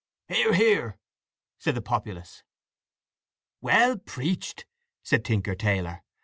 '" "Hear, hear," said the populace. "Well preached!" said Tinker Taylor.